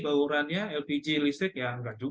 bahu urannya lpg listrik ya nggak juga